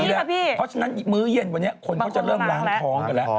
เพราะฉะนั้นมื้อเย็นวันนี้คนเขาจะเริ่มล้างท้องกันแล้ว